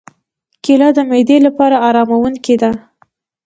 کېله د معدې لپاره آراموونکې ده.